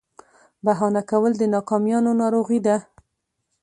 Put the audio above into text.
بهانه کول د ناکامیانو ناروغي ده.